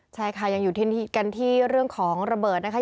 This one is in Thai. ใช่ค่ะยังอยู่ที่กันที่เรื่องของระเบิดนะคะ